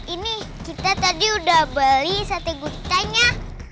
ini kita tadi udah beli sate gutanya